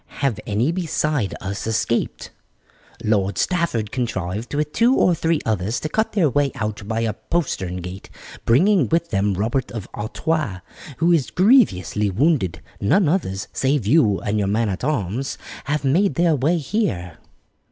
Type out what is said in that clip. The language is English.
Have any beside us escaped?" "Lord Stafford contrived, with two or three others, to cut their way out by a postern gate, bringing with them Robert of Artois, who is grievously wounded. None others, save you and your man at arms, have made their way here."